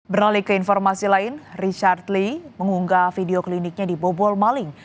beralih ke informasi lain richard lee mengunggah video kliniknya di bobol maling